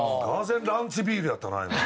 俄然ランチビールやったな今。